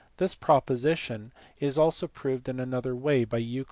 This proposition is also proved in another way in Euc.